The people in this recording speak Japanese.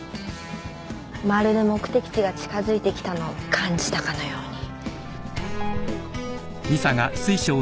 まるで目的地が近づいてきたのを感じたかのように。